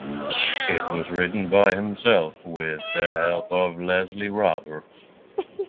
It was written by himself with the help of Leslie Roberts.